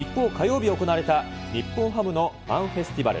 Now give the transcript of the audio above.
一方、火曜日行われた日本ハムのファンフェスティバル。